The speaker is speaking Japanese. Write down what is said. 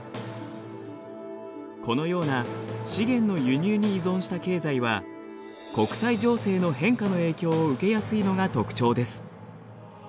このような資源の輸入に依存した経済は国際情勢の変化の影響を受けやすいのが特徴です。